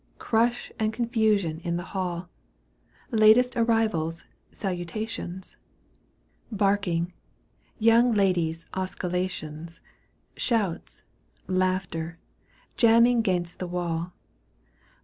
Crush and confusion in the hall, Latest arrivals' salutations, Barking, young ladies* osculations. Shouts,. laughter, jamming 'gainst the wall.